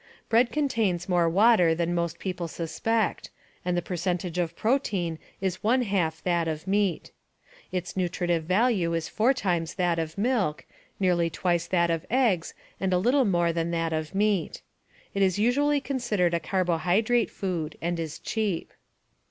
Bread contains more water than most people suspect and the percentage of protein is one half that of meat. Its nutritive value is four times that of milk, nearly twice that of eggs and a little more than that of meat. It is usually considered a carbohydrate food, and is cheap.